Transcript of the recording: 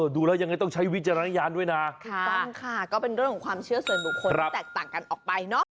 ทุกคนจะแตกต่างกันออกไปเนอะ